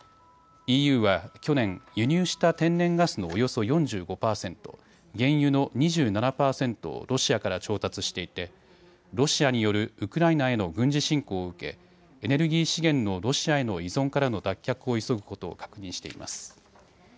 ＥＵは去年、輸入した天然ガスのおよそ４５％、原油の２７％をロシアから調達していてロシアによるウクライナへの軍事侵攻を受けエネルギー資源のロシアへの依存からの脱却を急ぐことを確認しています。